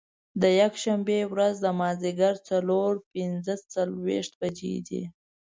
د یکشنبې ورځ د مازدیګر څلور پنځه څلوېښت بجې دي.